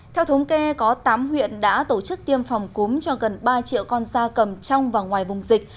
theo thống kê có tám huyện đã tổ chức tiêm phòng cúm cho gần ba triệu con da cầm trong và ngoài vùng dịch